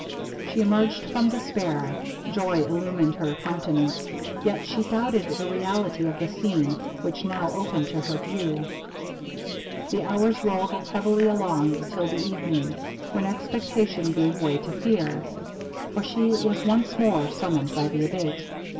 She emerged from despair; joy illumined her countenance; yet she doubted the reality of the scene which now opened to her view. The hours rolled heavily along till the evening, when expectation gave way to fear, for she was once more summoned by the Abate.